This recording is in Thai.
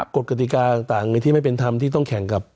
กฎกติกาต่างที่ไม่เป็นธรรมที่ต้องแข่งกับ